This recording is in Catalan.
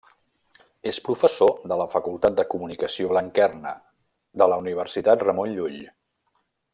És professor de la Facultat de Comunicació Blanquerna, de la Universitat Ramon Llull.